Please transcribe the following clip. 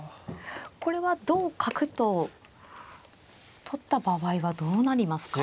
これは同角と取った場合はどうなりますか。